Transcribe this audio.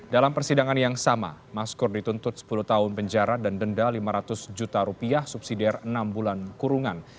dalam persidangan yang sama maskur dituntut sepuluh tahun penjara dan denda lima ratus juta rupiah subsidiar enam bulan kurungan